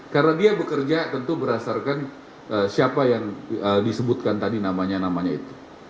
karena dia bekerja tentu berdasarkan siapa yang disebutkan tadi namanya namanya itu